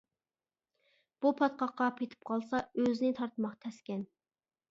بۇ پاتقاققا پېتىپ قالسا ئۆزىنى تارتماق تەسكەن.